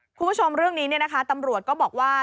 คุณผู้ชมเรื่องนี้ตำรวจก็บอกว่า